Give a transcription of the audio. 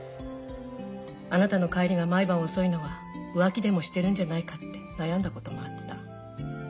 あなたの帰りが毎晩遅いのは浮気でもしてるんじゃないかって悩んだこともあった。